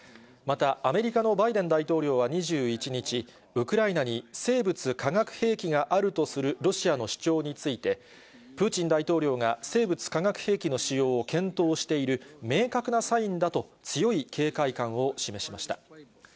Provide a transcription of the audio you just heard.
また、アメリカのバイデン大統領は２１日、ウクライナに生物化学兵器があるとするロシアの主張について、プーチン大統領が生物・化学兵器の使用を検討している明確なサインだと強い警戒感を示しました。